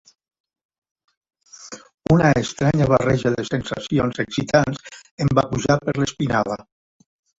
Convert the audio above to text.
Una estranya barreja de sensacions excitants em va pujar per l'espinada.